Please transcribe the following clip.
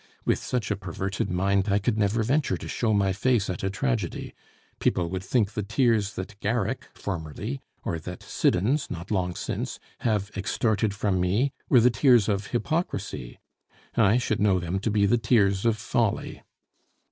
With such a perverted mind, I could never venture to show my face at a tragedy. People would think the tears that Garrick formerly, or that Siddons not long since, have extorted from me, were the tears of hypocrisy; I should know them to be the tears of folly.